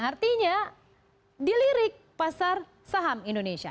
artinya dilirik pasar saham indonesia